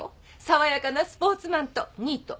爽やかなスポーツマンとニート。